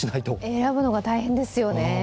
選ぶのが大変ですよね。